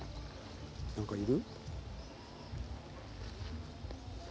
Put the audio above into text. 何かいる？